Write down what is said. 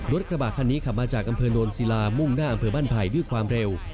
รถกระบะคันนี้ขับมาจากอำเภอโนนศิลามุ่งหน้าอำเภอบ้านไผ่ด้วยความเร็ว